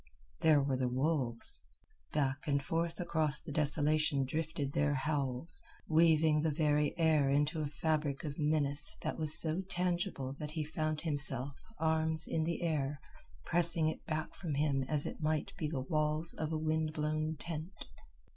There were the wolves. Back and forth across the desolation drifted their howls, weaving the very air into a fabric of menace that was so tangible that he found himself, arms in the air, pressing it back from him as it might be the walls of a wind blown tent.